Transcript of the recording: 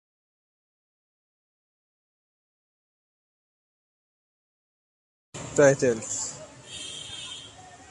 Films listed as "untitled" do not yet have publicly announced titles.